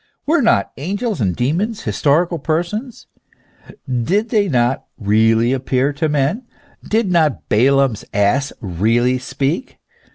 Were not angels and demons historical persons ? Did they not really appear to men ? Did not Balaam's ass really speak?